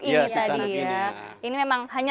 iya si tanduk ini produce power mau matinya